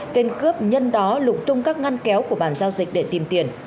tên cướp nhân đó lục tung các ngăn kéo của bàn giao dịch để tìm tiền